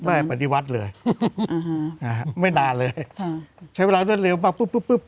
ไม่นานเลยใช้เวลาเร็วมาปุ๊บ